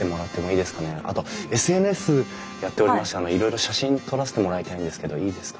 あとＳＮＳやっておりましていろいろ写真撮らせてもらいたいんですけどいいですか？